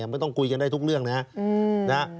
ไม่ต้องคุยกันได้ทุกเรื่องนะครับ